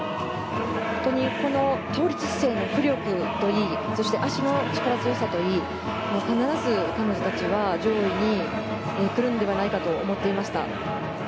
本当に、倒立姿勢の浮力といいそして、脚の力強さといい必ず彼女たちは上位に来るのではないかと思っていました。